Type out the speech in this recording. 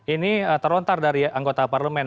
ini terontar dari anggota parlomen